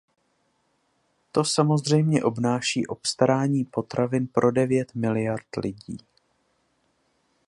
To samozřejmě obnáší obstarání potravin pro devět miliard lidí.